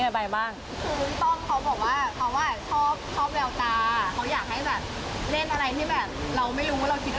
แล้วก็แบบพูดออกไปเนี่ยคนไม่รู้หรอกว่าเราคิดอะไร